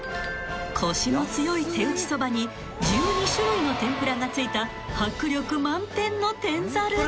［コシの強い手打ちそばに１２種類の天ぷらがついた迫力満点の］